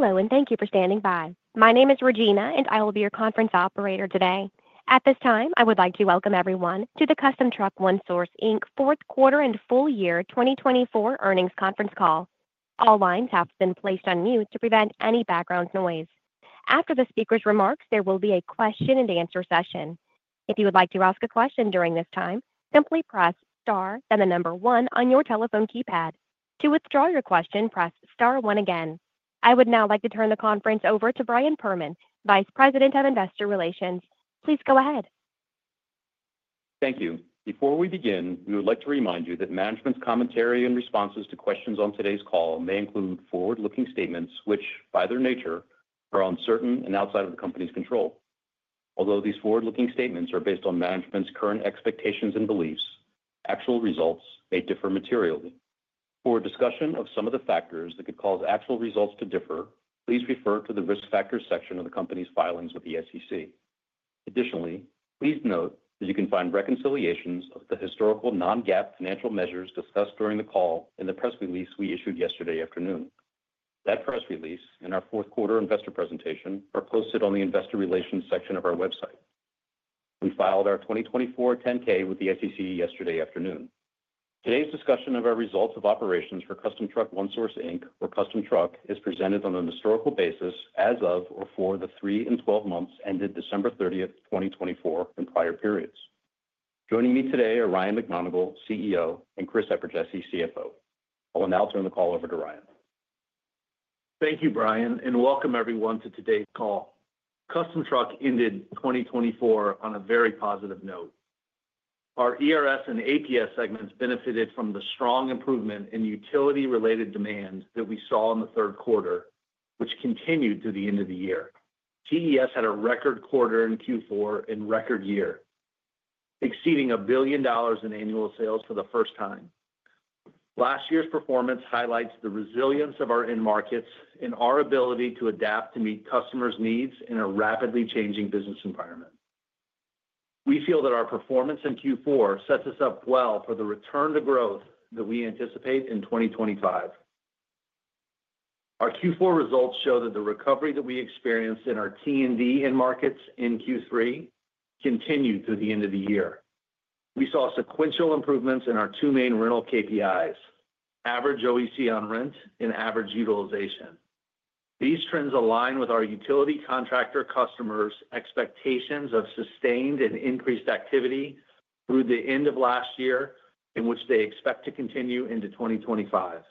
Hello, and thank you for standing by. My name is Regina, and I will be your conference operator today. At this time, I would like to welcome everyone Custom Truck One Source Inc's Fourth Quarter and Full-Year 2024 Earnings Conference Call. All lines have been placed on mute to prevent any background noise. After the speaker's remarks, there will be a question-and-answer session. If you would like to ask a question during this time, simply press star, then the number one on your telephone keypad. To withdraw your question, press star one again. I would now like to turn the conference over to Brian Perman, Vice President of Investor Relations. Please go ahead. Thank you. Before we begin, we would like to remind you that management's commentary and responses to questions on today's call may include forward-looking statements which, by their nature, are uncertain and outside of the company's control. Although these forward-looking statements are based on management's current expectations and beliefs, actual results may differ materially. For discussion of some of the factors that could cause actual results to differ, please refer to the risk factors section of the company's filings with the SEC. Additionally, please note that you can find reconciliations of the historical non-GAAP financial measures discussed during the call in the press release we issued yesterday afternoon. That press release and our fourth quarter investor presentation are posted on the investor relations section of our website. We filed our 2024 10-K with the SEC yesterday afternoon. Today's discussion of our results of operations for Custom Truck One Source Inc, or Custom Truck, is presented on a historical basis as of or for the three and twelve months ended December 30th, 2024, and prior periods. Joining me today are Ryan McMonagle, CEO, and Chris Eperjesy, CFO. I'll now turn the call over to Ryan. Thank you, Brian, and welcome everyone to today's call. Custom Truck ended 2024 on a very positive note. Our ERS and APS segments benefited from the strong improvement in utility-related demand that we saw in the third quarter, which continued to the end of the year. TES had a record quarter in Q4 and record year, exceeding $1 billion in annual sales for the first time. Last year's performance highlights the resilience of our end markets and our ability to adapt to meet customers' needs in a rapidly changing business environment. We feel that our performance in Q4 sets us up well for the return to growth that we anticipate in 2025. Our Q4 results show that the recovery that we experienced in our T&D end markets in Q3 continued through the end of the year. We saw sequential improvements in our two main rental KPIs: average OEC on rent and average utilization. These trends align with our utility contractor customers' expectations of sustained and increased activity through the end of last year, which they expect to continue into 2025.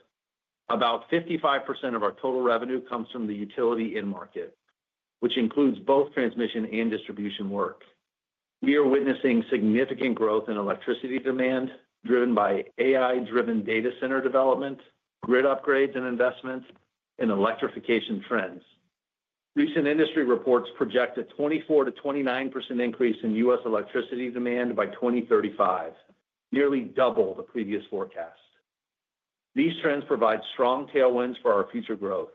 About 55% of our total revenue comes from the utility end market, which includes both transmission and distribution work. We are witnessing significant growth in electricity demand driven by AI-driven data center development, grid upgrades and investment, and electrification trends. Recent industry reports project a 24%-29% increase in U.S. electricity demand by 2035, nearly double the previous forecast. These trends provide strong tailwinds for our future growth.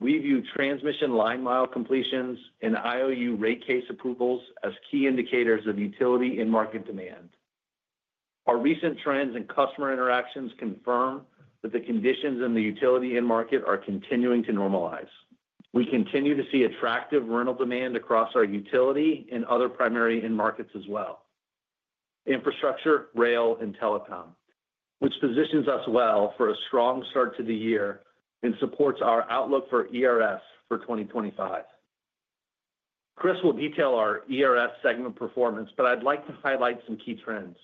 We view transmission line mile completions and IOU rate case approvals as key indicators of utility end market demand. Our recent trends and customer interactions confirm that the conditions in the utility end market are continuing to normalize. We continue to see attractive rental demand across our utility and other primary end markets as well. Infrastructure, Rail, and Telecom, which positions us well for a strong start to the year and supports our outlook for ERS for 2025. Chris will detail our ERS segment performance, but I'd like to highlight some key trends.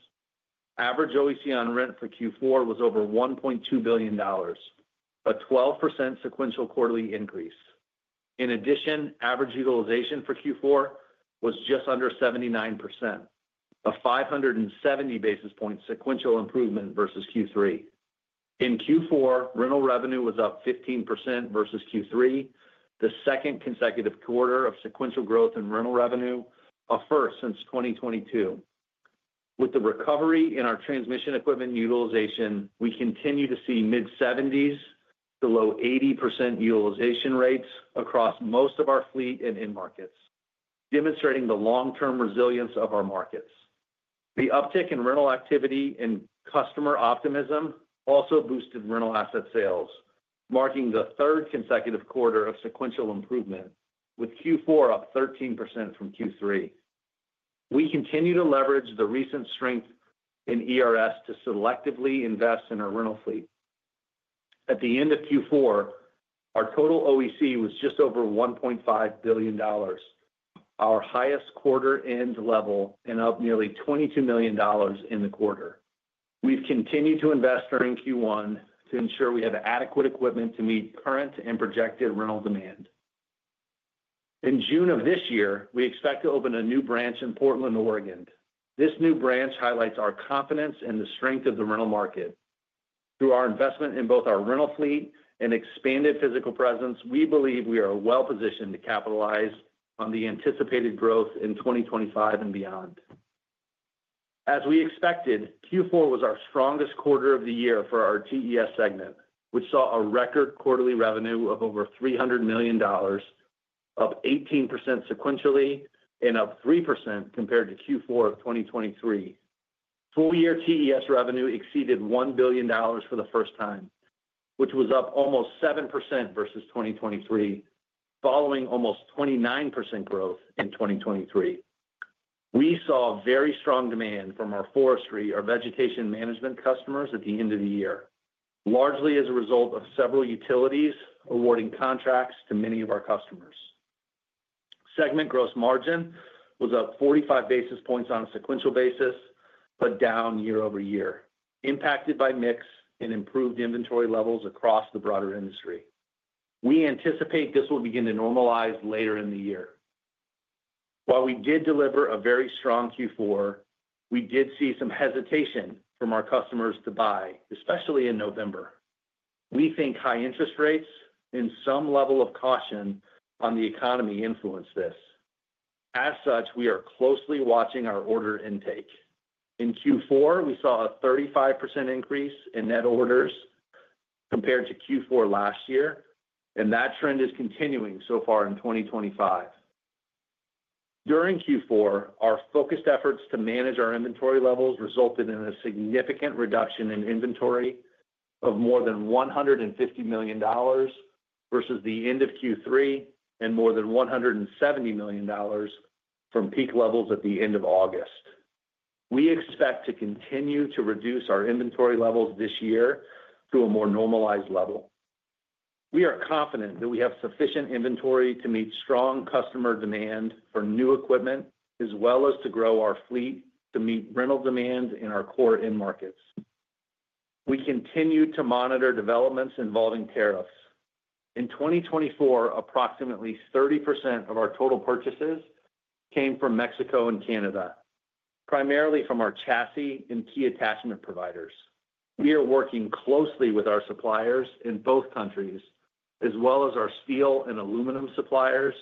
Average OEC on rent for Q4 was over $1.2 billion, a 12% sequential quarterly increase. In addition, average utilization for Q4 was just under 79%, a 570 basis point sequential improvement versus Q3. In Q4, rental revenue was up 15% versus Q3, the second consecutive quarter of sequential growth in rental revenue, a first since 2022. With the recovery in our transmission equipment utilization, we continue to see mid-70%-low 80% utilization rates across most of our fleet and end markets, demonstrating the long-term resilience of our markets. The uptick in rental activity and customer optimism also boosted rental asset sales, marking the third consecutive quarter of sequential improvement, with Q4 up 13% from Q3. We continue to leverage the recent strength in ERS to selectively invest in our rental fleet. At the end of Q4, our total OEC was just over $1.5 billion, our highest quarter-end level, and up nearly $22 million in the quarter. We've continued to invest during Q1 to ensure we have adequate equipment to meet current and projected rental demand. In June of this year, we expect to open a new branch in Portland, Oregon. This new branch highlights our confidence in the strength of the rental market. Through our investment in both our rental fleet and expanded physical presence, we believe we are well-positioned to capitalize on the anticipated growth in 2025 and beyond. As we expected, Q4 was our strongest quarter of the year for our TES segment, which saw a record quarterly revenue of over $300 million, up 18% sequentially and up 3% compared to Q4 of 2023. Full year TES revenue exceeded $1 billion for the first time, which was up almost 7% versus 2023, following almost 29% growth in 2023. We saw very strong demand from our forestry, our vegetation management customers at the end of the year, largely as a result of several utilities awarding contracts to many of our customers. Segment gross margin was up 45 basis points on a sequential basis, but down year over year, impacted by mix and improved inventory levels across the broader industry. We anticipate this will begin to normalize later in the year. While we did deliver a very strong Q4, we did see some hesitation from our customers to buy, especially in November. We think high interest rates and some level of caution on the economy influenced this. As such, we are closely watching our order intake. In Q4, we saw a 35% increase in net orders compared to Q4 last year, and that trend is continuing so far in 2025. During Q4, our focused efforts to manage our inventory levels resulted in a significant reduction in inventory of more than $150 million versus the end of Q3 and more than $170 million from peak levels at the end of August. We expect to continue to reduce our inventory levels this year to a more normalized level. We are confident that we have sufficient inventory to meet strong customer demand for new equipment, as well as to grow our fleet to meet rental demand in our core end markets. We continue to monitor developments involving tariffs. In 2024, approximately 30% of our total purchases came from Mexico and Canada, primarily from our chassis and key attachment providers. We are working closely with our suppliers in both countries, as well as our steel and aluminum suppliers,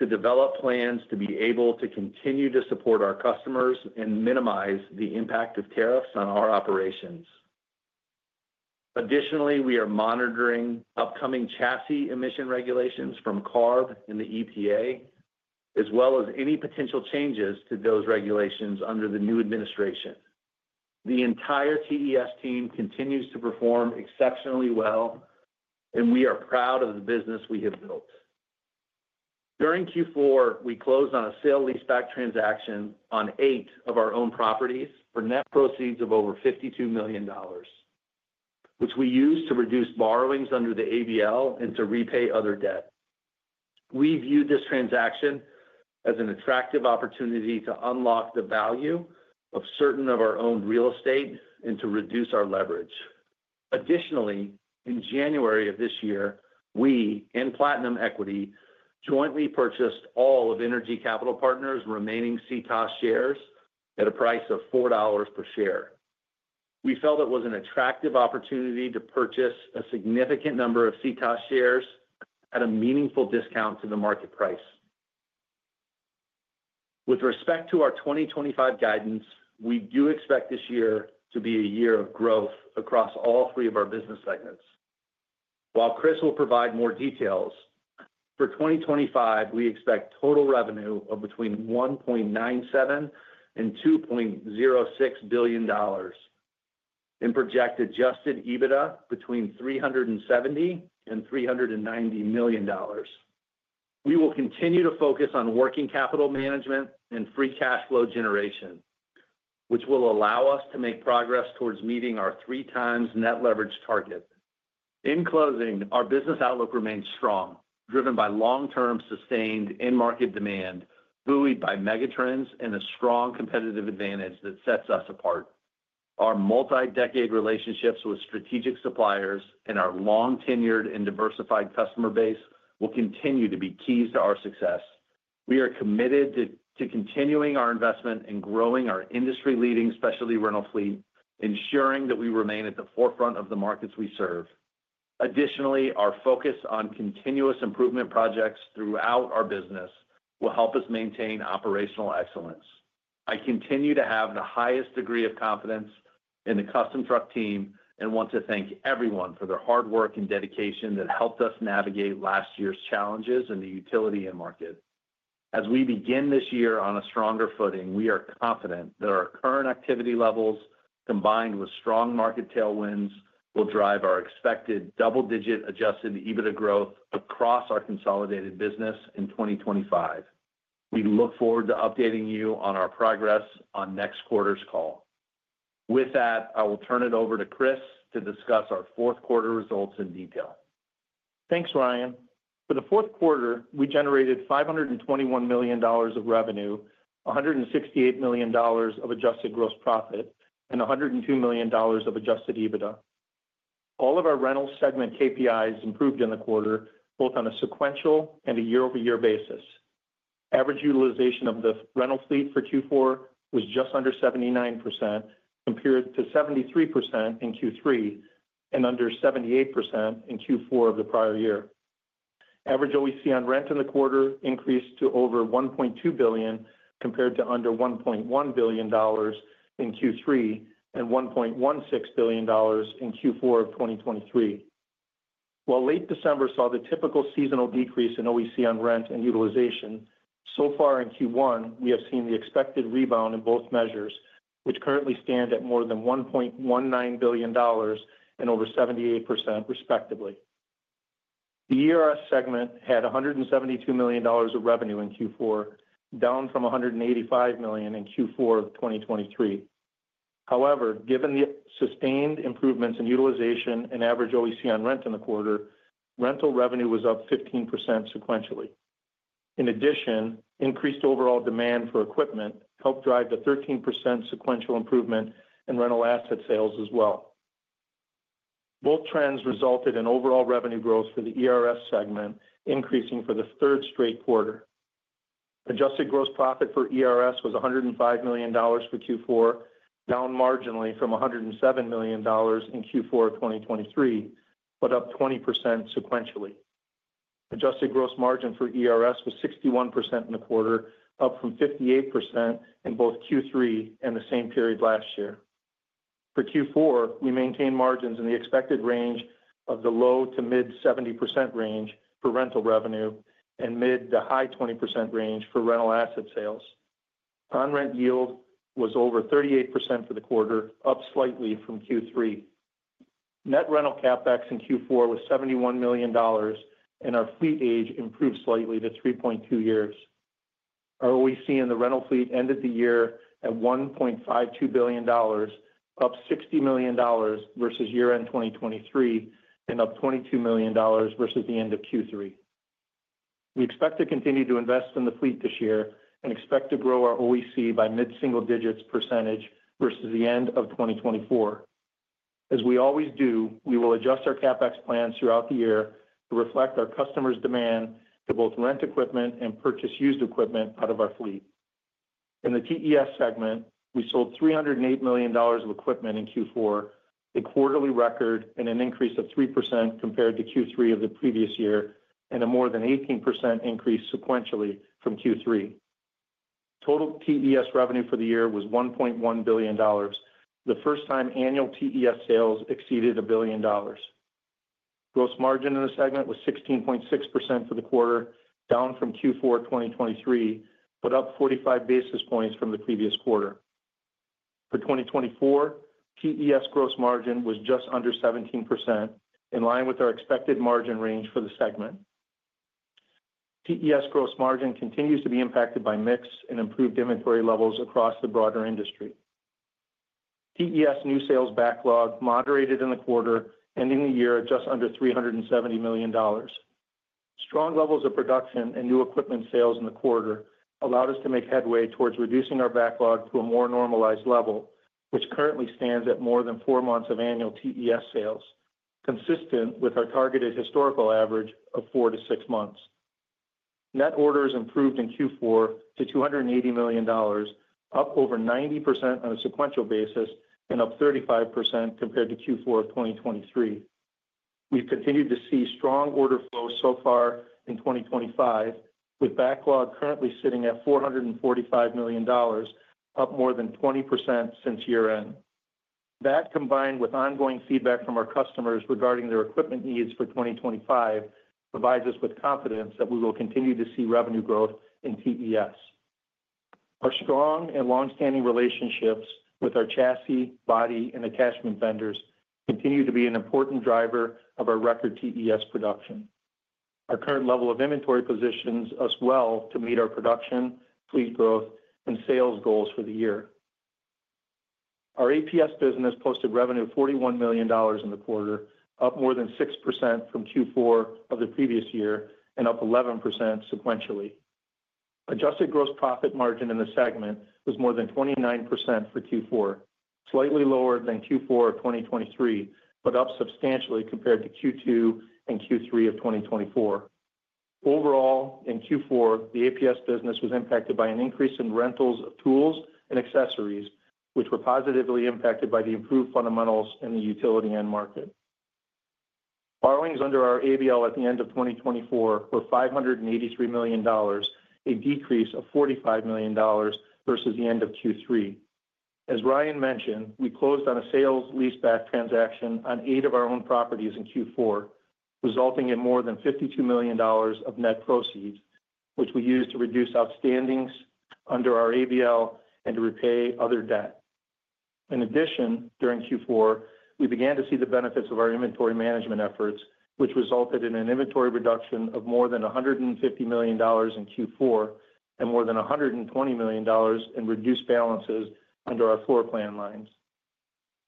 to develop plans to be able to continue to support our customers and minimize the impact of tariffs on our operations. Additionally, we are monitoring upcoming chassis emission regulations from CARB and the EPA, as well as any potential changes to those regulations under the new administration. The entire TES team continues to perform exceptionally well, and we are proud of the business we have built. During Q4, we closed on a sale lease-back transaction on eight of our own properties for net proceeds of over $52 million, which we used to reduce borrowings under the ABL and to repay other debt. We view this transaction as an attractive opportunity to unlock the value of certain of our owned real estate and to reduce our leverage. Additionally, in January of this year, we and Platinum Equity jointly purchased all of Energy Capital Partners' remaining CTOS shares at a price of $4 per share. We felt it was an attractive opportunity to purchase a significant number of CTOS shares at a meaningful discount to the market price. With respect to our 2025 guidance, we do expect this year to be a year of growth across all three of our business segments. While Chris will provide more details, for 2025, we expect total revenue of between $1.97 billion and $2.06 billion and project adjusted EBITDA between $370 million and $390 million. We will continue to focus on working capital management and free cash flow generation, which will allow us to make progress towards meeting our three-times net leverage target. In closing, our business outlook remains strong, driven by long-term sustained end market demand buoyed by megatrends and a strong competitive advantage that sets us apart. Our multi-decade relationships with strategic suppliers and our long-tenured and diversified customer base will continue to be keys to our success. We are committed to continuing our investment and growing our industry-leading specialty rental fleet, ensuring that we remain at the forefront of the markets we serve. Additionally, our focus on continuous improvement projects throughout our business will help us maintain operational excellence. I continue to have the highest degree of confidence in the Custom Truck Team and want to thank everyone for their hard work and dedication that helped us navigate last year's challenges in the utility end market. As we begin this year on a stronger footing, we are confident that our current activity levels, combined with strong market tailwinds, will drive our expected double-digit adjusted EBITDA growth across our consolidated business in 2025. We look forward to updating you on our progress on next quarter's call. With that, I will turn it over to Chris to discuss our fourth quarter results in detail. Thanks, Ryan. For the fourth quarter, we generated $521 million of revenue, $168 million of adjusted gross profit, and $102 million of adjusted EBITDA. All of our rental segment KPIs improved in the quarter, both on a sequential and a year-over-year basis. Average utilization of the rental fleet for Q4 was just under 79%, compared to 73% in Q3 and under 78% in Q4 of the prior year. Average OEC on rent in the quarter increased to over $1.2 billion, compared to under $1.1 billion in Q3 and $1.16 billion in Q4 of 2023. While late December saw the typical seasonal decrease in OEC on rent and utilization, so far in Q1, we have seen the expected rebound in both measures, which currently stand at more than $1.19 billion and over 78%, respectively. The ERS segment had $172 million of revenue in Q4, down from $185 million in Q4 of 2023. However, given the sustained improvements in utilization and average OEC on rent in the quarter, rental revenue was up 15% sequentially. In addition, increased overall demand for equipment helped drive the 13% sequential improvement in rental asset sales as well. Both trends resulted in overall revenue growth for the ERS segment, increasing for the third straight quarter. Adjusted gross profit for ERS was $105 million for Q4, down marginally from $107 million in Q4 of 2023, but up 20% sequentially. Adjusted gross margin for ERS was 61% in the quarter, up from 58% in both Q3 and the same period last year. For Q4, we maintained margins in the expected range of the low to mid-70% range for rental revenue and mid to high 20% range for rental asset sales. On-rent yield was over 38% for the quarter, up slightly from Q3. Net rental CapEx in Q4 was $71 million, and our fleet age improved slightly to 3.2 years. Our OEC in the rental fleet ended the year at $1.52 billion, up $60 million versus year-end 2023 and up $22 million versus the end of Q3. We expect to continue to invest in the fleet this year and expect to grow our OEC by mid-single digits percentage versus the end of 2024. As we always do, we will adjust our CapEx plans throughout the year to reflect our customers' demand to both rent equipment and purchase used equipment out of our fleet. In the TES segment, we sold $308 million of equipment in Q4, a quarterly record and an increase of 3% compared to Q3 of the previous year, and a more than 18% increase sequentially from Q3. Total TES revenue for the year was $1.1 billion, the first time annual TES sales exceeded $1 billion. Gross margin in the segment was 16.6% for the quarter, down from Q4 2023, but up 45 basis points from the previous quarter. For 2024, TES gross margin was just under 17%, in line with our expected margin range for the segment. TES gross margin continues to be impacted by mix and improved inventory levels across the broader industry. TES new sales backlog moderated in the quarter, ending the year at just under $370 million. Strong levels of production and new equipment sales in the quarter allowed us to make headway towards reducing our backlog to a more normalized level, which currently stands at more than four months of annual TES sales, consistent with our targeted historical average of four to six months. Net orders improved in Q4 to $280 million, up over 90% on a sequential basis and up 35% compared to Q4 of 2023. We've continued to see strong order flow so far in 2025, with backlog currently sitting at $445 million, up more than 20% since year-end. That, combined with ongoing feedback from our customers regarding their equipment needs for 2025, provides us with confidence that we will continue to see revenue growth in TES. Our strong and long-standing relationships with our chassis, body, and attachment vendors continue to be an important driver of our record TES production. Our current level of inventory positions us well to meet our production, fleet growth, and sales goals for the year. Our APS business posted revenue of $41 million in the quarter, up more than 6% from Q4 of the previous year and up 11% sequentially. Adjusted gross profit margin in the segment was more than 29% for Q4, slightly lower than Q4 of 2023, but up substantially compared to Q2 and Q3 of 2024. Overall, in Q4, the APS business was impacted by an increase in rentals of tools and accessories, which were positively impacted by the improved fundamentals in the utility end market. Borrowings under our ABL at the end of 2024 were $583 million, a decrease of $45 million versus the end of Q3. As Ryan mentioned, we closed on a sale lease-back transaction on eight of our own properties in Q4, resulting in more than $52 million of net proceeds, which we used to reduce outstandings under our ABL and to repay other debt. In addition, during Q4, we began to see the benefits of our inventory management efforts, which resulted in an inventory reduction of more than $150 million in Q4 and more than $120 million in reduced balances under our floor plan lines.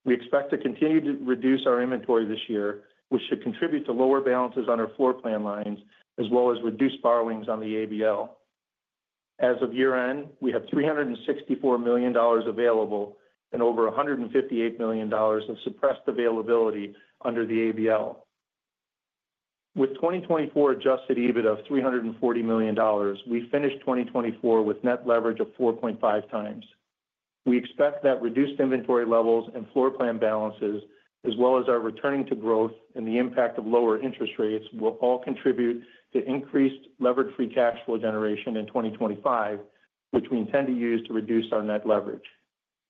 We expect to continue to reduce our inventory this year, which should contribute to lower balances on our floor plan lines, as well as reduced borrowings on the ABL. As of year-end, we have $364 million available and over $158 million of suppressed availability under the ABL. With 2024 adjusted EBITDA of $340 million, we finished 2024 with net leverage of 4.5x. We expect that reduced inventory levels and floor plan balances, as well as our returning to growth and the impact of lower interest rates, will all contribute to increased leverage-free cash flow generation in 2025, which we intend to use to reduce our net leverage.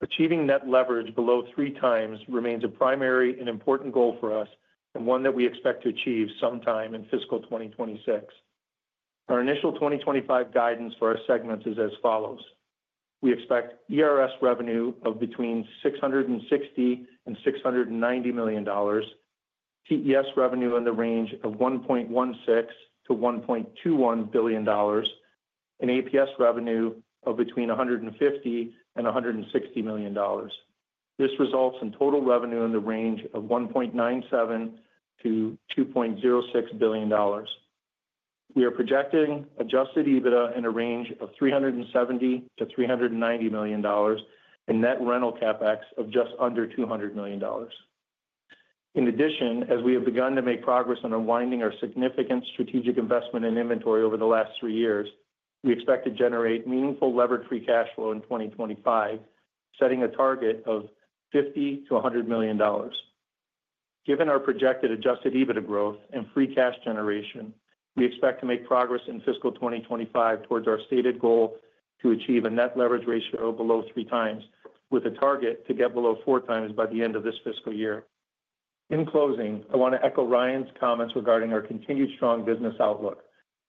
Achieving net leverage below three times remains a primary and important goal for us and one that we expect to achieve sometime in fiscal 2026. Our initial 2025 guidance for our segments is as follows. We expect ERS revenue of between $660 million and $690 million, TES revenue in the range of $1.16 billion to $1.21 billion, and APS revenue of between $150 million and $160 million. This results in total revenue in the range of $1.97 billion to $2.06 billion. We are projecting adjusted EBITDA in a range of $370 million to $390 million and net rental CapEx of just under $200 million. In addition, as we have begun to make progress on unwinding our significant strategic investment in inventory over the last three years, we expect to generate meaningful leverage-free cash flow in 2025, setting a target of $50 million to $100 million. Given our projected adjusted EBITDA growth and free cash generation, we expect to make progress in fiscal 2025 towards our stated goal to achieve a net leverage ratio below three times, with a target to get below four times by the end of this fiscal year. In closing, I want to echo Ryan's comments regarding our continued strong business outlook.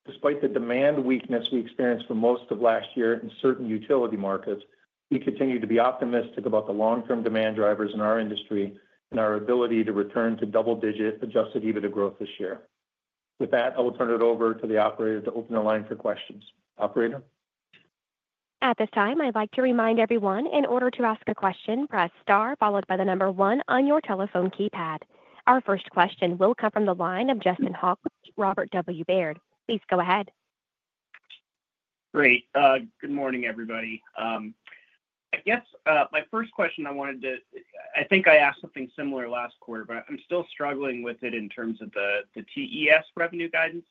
Despite the demand weakness we experienced for most of last year in certain utility markets, we continue to be optimistic about the long-term demand drivers in our industry and our ability to return to double-digit adjusted EBITDA growth this year. With that, I will turn it over to the operator to open the line for questions. Operator. At this time, I'd like to remind everyone, in order to ask a question, press star followed by the number one on your telephone keypad. Our first question will come from the line of Justin Hauke, Robert W. Baird. Please go ahead. Great. Good morning, everybody. I guess my first question I wanted to—I think I asked something similar last quarter, but I'm still struggling with it in terms of the TES revenue guidance.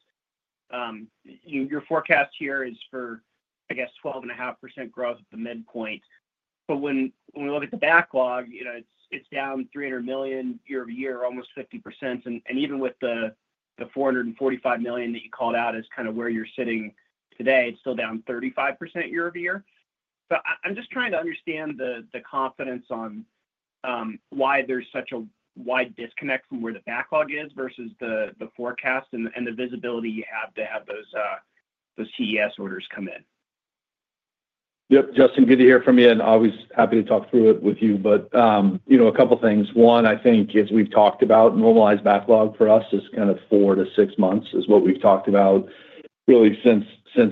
Your forecast here is for, I guess, 12.5% growth at the midpoint. When we look at the backlog, it's down $300 million year-over-year, almost 50%. Even with the $445 million that you called out as kind of where you're sitting today, it's still down 35% year-over-year. I'm just trying to understand the confidence on why there's such a wide disconnect from where the backlog is versus the forecast and the visibility you have to have those TES orders come in. Yep. Justin, good to hear from you, and always happy to talk through it with you. A couple of things. One, I think, as we've talked about, normalized backlog for us is kind of four to six months, is what we've talked about really since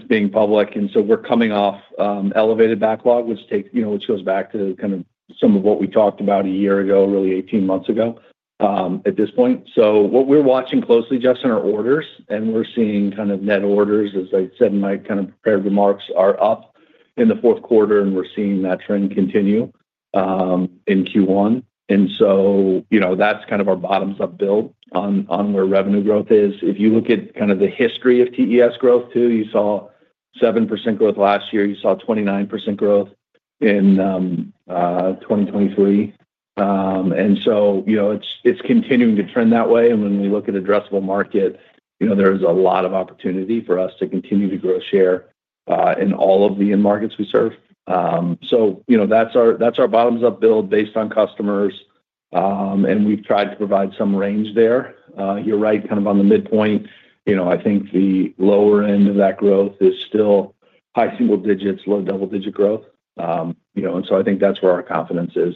being public. We're coming off elevated backlog, which goes back to kind of some of what we talked about a year ago, really 18 months ago at this point. What we're watching closely, Justin, are orders. We're seeing kind of net orders, as I said in my kind of prepared remarks, are up in the fourth quarter, and we're seeing that trend continue in Q1. That's kind of our bottoms-up build on where revenue growth is. If you look at kind of the history of TES growth, too, you saw 7% growth last year. You saw 29% growth in 2023. It is continuing to trend that way. When we look at addressable market, there is a lot of opportunity for us to continue to grow share in all of the end markets we serve. That is our bottoms-up build based on customers. We have tried to provide some range there. You are right, kind of on the midpoint. I think the lower end of that growth is still high single digits, low double-digit growth. I think that is where our confidence is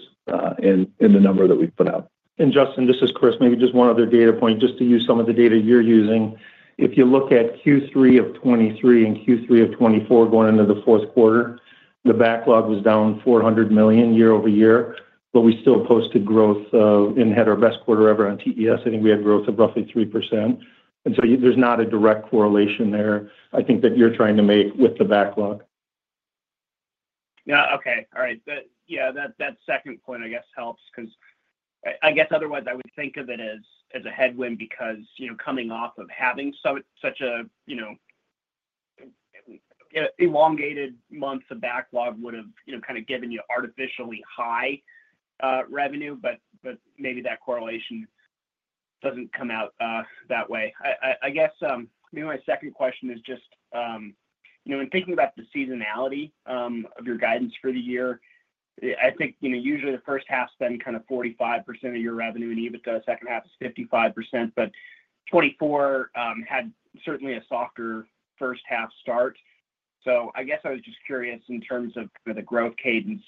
in the number that we have put out. Justin, this is Chris. Maybe just one other data point, just to use some of the data you are using. If you look at Q3 of 2023 and Q3 of 2024 going into the fourth quarter, the backlog was down $400 million year-over-year, but we still posted growth and had our best quarter ever on TES. I think we had growth of roughly 3%. There is not a direct correlation there, I think, that you're trying to make with the backlog. Yeah. Okay. All right. Yeah. That second point, I guess, helps because I guess otherwise I would think of it as a headwind because coming off of having such an elongated month of backlog would have kind of given you artificially high revenue. Maybe that correlation does not come out that way. I guess maybe my second question is just in thinking about the seasonality of your guidance for the year, I think usually the first half spends kind of 45% of your revenue in EBITDA, second half is 55%. But 2024 had certainly a softer first half start. I was just curious in terms of kind of the growth cadence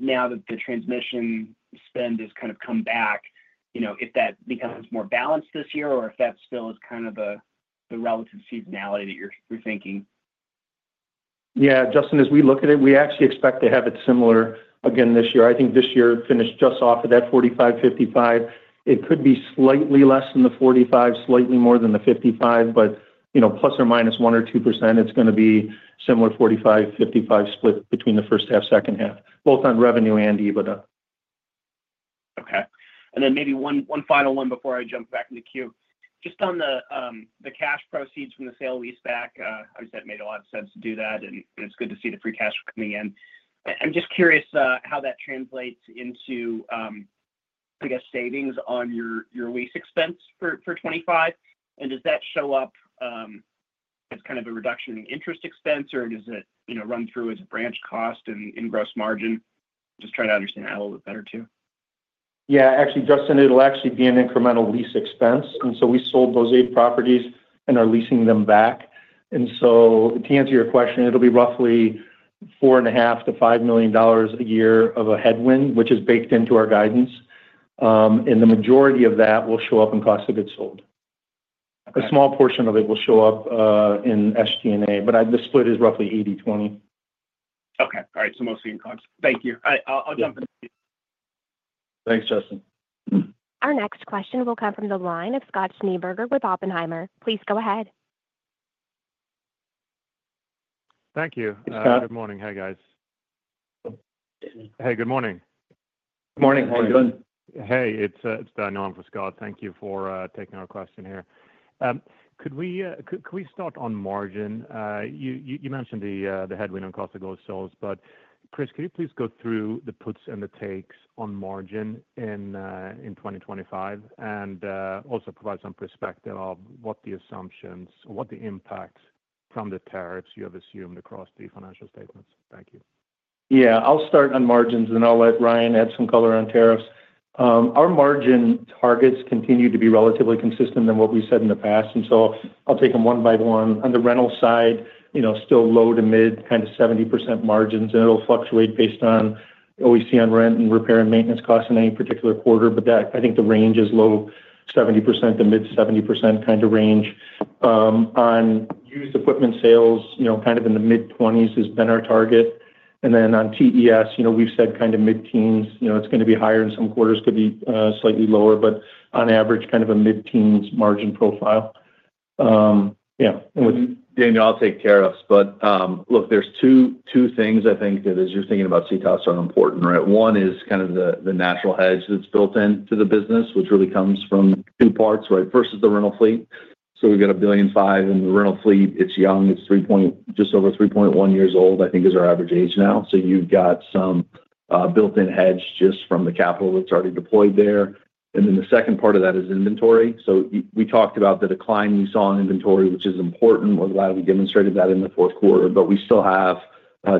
now that the transmission spend has kind of come back, if that becomes more balanced this year or if that still is kind of the relative seasonality that you are thinking. Yeah. Justin, as we look at it, we actually expect to have it similar again this year. I think this year finished just off of that 45-55. It could be slightly less than the 45, slightly more than the 55, ±1% or ±2, it's going to be similar 45-55 split between the first half, second half, both on revenue and EBITDA. Okay. Maybe one final one before I jump back into queue. Just on the cash proceeds from the sale lease-back, obviously, that made a lot of sense to do that, and it's good to see the free cash coming in. I'm just curious how that translates into, I guess, savings on your lease expense for 2025. Does that show up as kind of a reduction in interest expense, or does it run through as a branch cost and gross margin? Just trying to understand that a little bit better, too. Yeah. Actually, Justin, it'll actually be an incremental lease expense. We sold those eight properties and are leasing them back. To answer your question, it'll be roughly $4.5 million-$5 million a year of a headwind, which is baked into our guidance. The majority of that will show up in cost of goods sold. A small portion of it will show up in SG&A, but the split is roughly 80/20. Okay. All right. Mostly in cost. Thank you. I'll jump in. Thanks, Justin. Our next question will come from the line of Scott Schneeberger with Oppenheimer. Please go ahead. Thank you. Good morning. Hi, guys. Good morning. Good morning. How are you doing? Hey. It's Daniel for Scott. Thank you for taking our question here. Could we start on margin? You mentioned the headwind on cost of goods sold. Chris, could you please go through the puts and the takes on margin in 2025 and also provide some perspective of what the assumptions or what the impacts from the tariffs you have assumed across the financial statements? Thank you. Yeah. I'll start on margins, and I'll let Ryan add some color on tariffs. Our margin targets continue to be relatively consistent than what we said in the past. I'll take them one by one. On the rental side, still low to mid, kind of 70% margins. It'll fluctuate based on what we see on rent and repair and maintenance costs in any particular quarter. I think the range is low 70% to mid 70% kind of range. On used equipment sales, kind of in the mid-20s has been our target. Then on TES, we've said kind of mid-teens. It's going to be higher in some quarters, could be slightly lower, but on average, kind of a mid-teens margin profile. Yeah. With. Daniel, I'll take tariffs. Look, there are two things, I think, that, as you're thinking about CTOS, are important, right? One is kind of the natural hedge that's built into the business, which really comes from two parts, right? First is the rental fleet. We've got $1.5 billion in the rental fleet. It's young. It's just over 3.1 years old, I think, is our average age now. You've got some built-in hedge just from the capital that's already deployed there. The second part of that is inventory. We talked about the decline we saw in inventory, which is important. We're glad we demonstrated that in the fourth quarter. We still have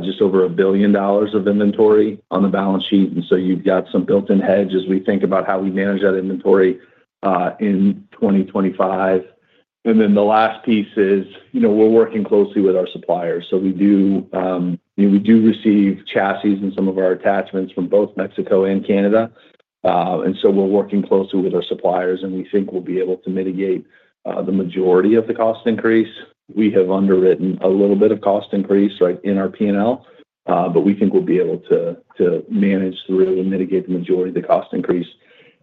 just over $1 billion of inventory on the balance sheet. You've got some built-in hedge as we think about how we manage that inventory in 2025. The last piece is we're working closely with our suppliers. We do receive chassis and some of our attachments from both Mexico and Canada. We're working closely with our suppliers, and we think we'll be able to mitigate the majority of the cost increase. We have underwritten a little bit of cost increase in our P&L, but we think we'll be able to manage through and mitigate the majority of the cost increase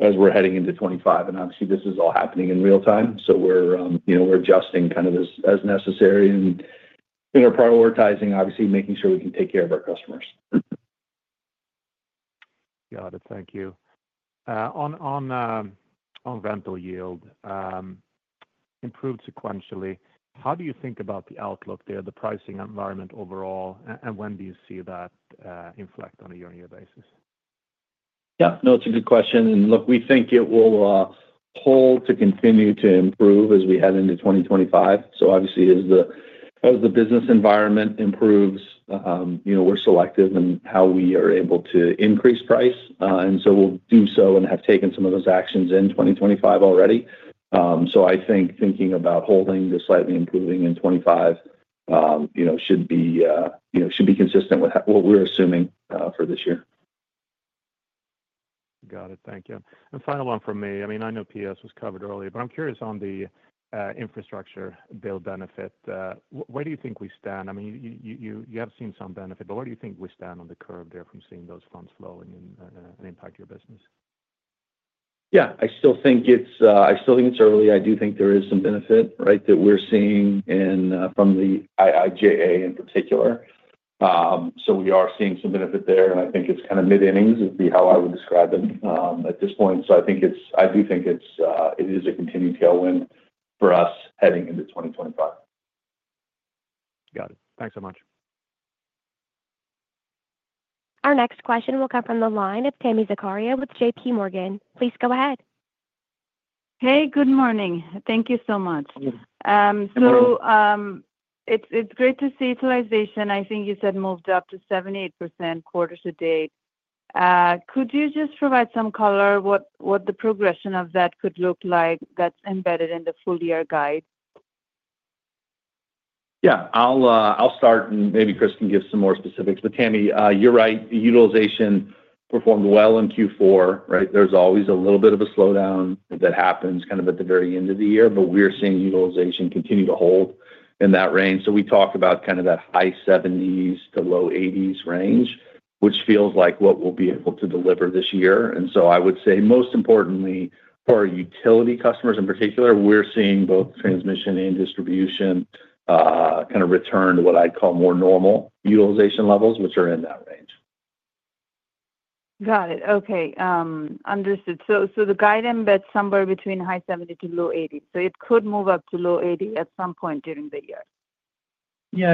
as we're heading into 2025. Obviously, this is all happening in real time. We're adjusting kind of as necessary and prioritizing, obviously, making sure we can take care of our customers. Got it. Thank you. On rental yield, improved sequentially, how do you think about the outlook there, the pricing environment overall, and when do you see that inflect on a year-on-year basis? Yeah. No, it's a good question. Look, we think it will hold to continue to improve as we head into 2025. Obviously, as the business environment improves, we're selective in how we are able to increase price. We'll do so and have taken some of those actions in 2025 already. I think thinking about holding to slightly improving in 2025 should be consistent with what we're assuming for this year. Got it. Thank you. Final one from me. I mean, I know APS was covered earlier, but I'm curious on the infrastructure build benefit. Where do you think we stand? I mean, you have seen some benefit, but where do you think we stand on the curve there from seeing those funds flowing and impact your business? Yeah. I still think it's early. I do think there is some benefit, right, that we're seeing from the IIJA in particular. We are seeing some benefit there. I think it's kind of mid-innings would be how I would describe it at this point. I do think it is a continued tailwind for us heading into 2025. Got it. Thanks so much. Our next question will come from the line of Tami Zakaria with JPMorgan. Please go ahead. Hey, good morning. Thank you so much. It's great to see utilization. I think you said moved up to 78% quarter to date. Could you just provide some color what the progression of that could look like that's embedded in the full-year guide? Yeah. I'll start, and maybe Chris can give some more specifics. But Tami, you're right. Utilization performed well in Q4, right? There's always a little bit of a slowdown that happens kind of at the very end of the year, but we're seeing utilization continue to hold in that range. We talked about kind of that high 70s to low 80s range, which feels like what we'll be able to deliver this year. I would say, most importantly, for utility customers in particular, we're seeing both transmission and distribution kind of return to what I'd call more normal utilization levels, which are in that range. Got it. Okay. Understood. The guidance bets somewhere between high 70 to low 80. It could move up to low 80 at some point during the year. Yeah.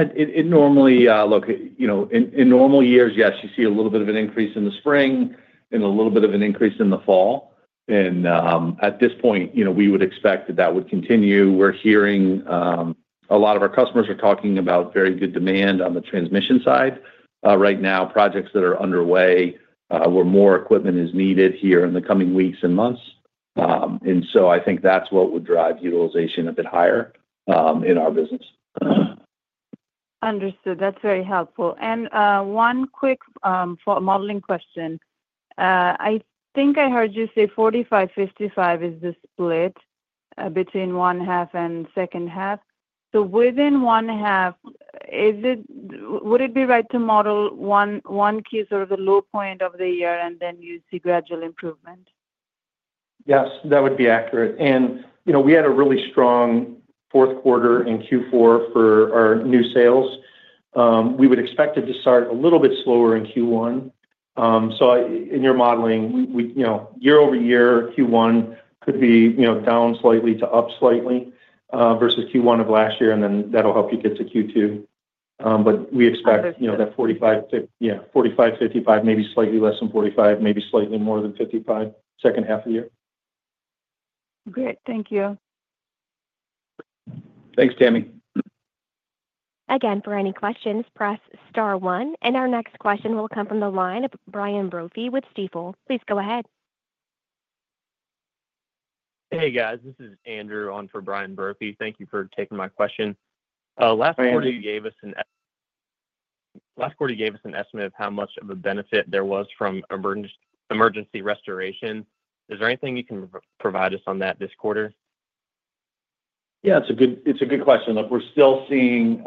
Look, in normal years, yes, you see a little bit of an increase in the spring and a little bit of an increase in the fall. At this point, we would expect that that would continue. We're hearing a lot of our customers are talking about very good demand on the transmission side. Right now, projects that are underway where more equipment is needed here in the coming weeks and months. I think that's what would drive utilization a bit higher in our business. Understood. That's very helpful. One quick modeling question. I think I heard you say 45, 55 is the split between one half and second half. Within one half, would it be right to model one sort of the low point of the year and then you see gradual improvement? Yes. That would be accurate. We had a really strong fourth quarter in Q4 for our new sales. We would expect it to start a little bit slower in Q1. In your modeling, year-over-year, Q1 could be down slightly to up slightly versus Q1 of last year, and that will help you get to Q2. We expect that 45-55, maybe slightly less than 45, maybe slightly more than 55 second half of the year. Great. Thank you. Thanks, Tami. Again, for any questions, press star one. Our next question will come from the line of Brian Brophy with Stifel. Please go ahead. Hey, guys. This is Andrew on for Brian Brophy. Thank you for taking my question. Last quarter, you gave us an estimate of how much of a benefit there was from emergency restoration. Is there anything you can provide us on that this quarter? Yeah. It's a good question. Look, we're still seeing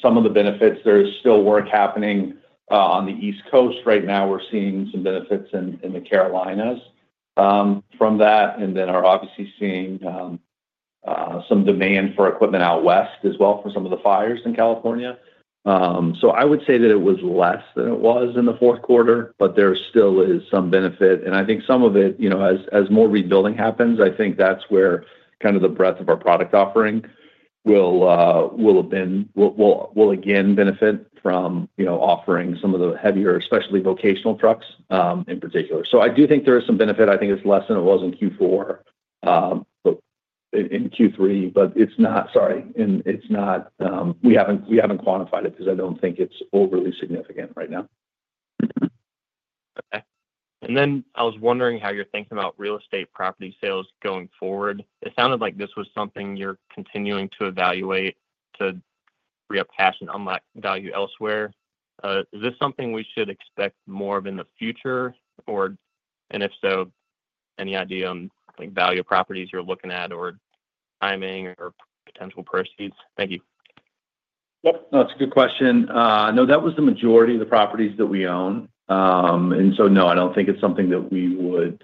some of the benefits. There's still work happening on the East Coast. Right now, we're seeing some benefits in the Carolinas from that. We're obviously seeing some demand for equipment out west as well for some of the fires in California. I would say that it was less than it was in the fourth quarter, but there still is some benefit. I think some of it, as more rebuilding happens, that's where kind of the breadth of our product offering will again benefit from offering some of the heavier, especially vocational trucks in particular. I do think there is some benefit. I think it's less than it was in Q4 and Q3, but it's not—sorry. It's not—we haven't quantified it because I don't think it's overly significant right now. Okay. I was wondering how you're thinking about real estate property sales going forward. It sounded like this was something you're continuing to evaluate to re-appassion unlike value elsewhere. Is this something we should expect more of in the future? If so, any idea on value of properties you're looking at or timing or potential proceeds? Thank you. Yep. No, that's a good question. No, that was the majority of the properties that we own. No, I don't think it's something that we would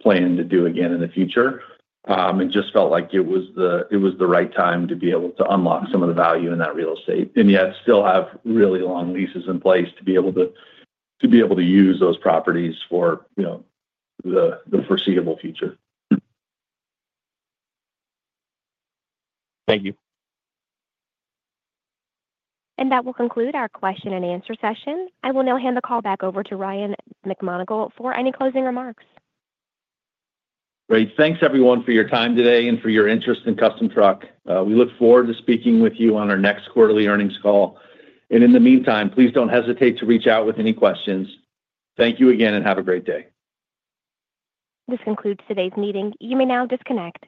plan to do again in the future. It just felt like it was the right time to be able to unlock some of the value in that real estate and yet still have really long leases in place to be able to use those properties for the foreseeable future. Thank you. That will conclude our question and answer session. I will now hand the call back over to Ryan McMonagle for any closing remarks. Great. Thanks, everyone, for your time today and for your interest in Custom Truck. We look forward to speaking with you on our next quarterly earnings call. In the meantime, please do not hesitate to reach out with any questions. Thank you again, and have a great day. This concludes today's meeting. You may now disconnect.